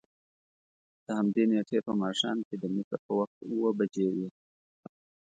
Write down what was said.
د همدې نېټې په ماښام چې د مصر په وخت اوه بجې وې.